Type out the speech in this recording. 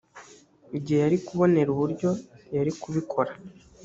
gihe yari kubonera uburyo yarikubikora